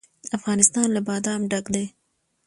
افغانستان له بادام ډک دی.